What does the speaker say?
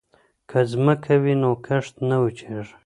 که ځمکه وي نو کښت نه وچيږي.